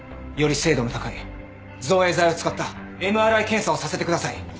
より精度の高い造影剤を使ったＭＲＩ検査をさせてください。